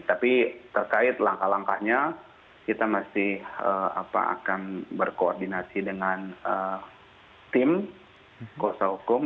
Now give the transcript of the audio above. tapi terkait langkah langkahnya kita masih akan berkoordinasi dengan tim kuasa hukum